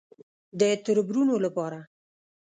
_د تربرونو له پاره.